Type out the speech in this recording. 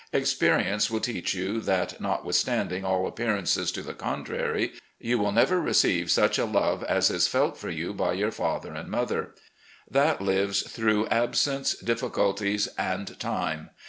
Experience will teach you that, notwithstanding all appearances to the contrary, you will never receive such a love as is felt for you by your father and mother. That lives through absence, difficulties, and time